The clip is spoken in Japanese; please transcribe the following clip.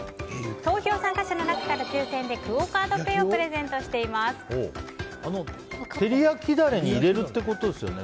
投票参加者の中から抽選でクオ・カードペイを照り焼きダレに入れるってことですよね。